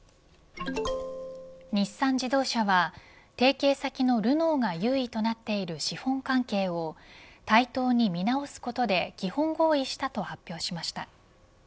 日産自動車は提携先のルノーが優位となっている資本関係を対等に見直すことで基本合意したと発表しました。